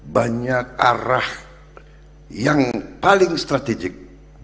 banyak arah yang paling strategik